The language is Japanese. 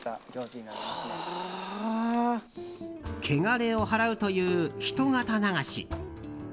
けがれをはらうという人形流し。